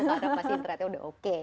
karena pasti internetnya sudah oke